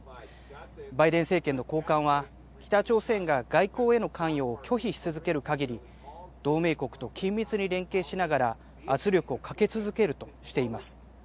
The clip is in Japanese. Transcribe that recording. バイデン政権の高官は、北朝鮮が外交への関与を拒否し続けるかぎり、同盟国と緊密に連携しながら、圧力をかけ続けるとしています。